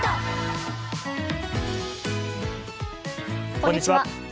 こんにちは。